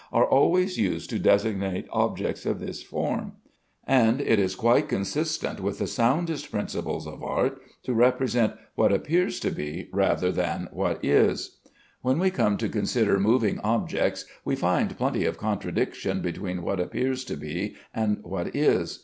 are always used to designate objects of this form; and it is quite consistent with the soundest principles of art to represent what appears to be, rather than what is. When we come to consider moving objects, we find plenty of contradiction between what appears to be and what is.